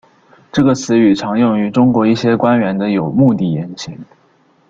这个词语常用于中国一些官员的有目的言行。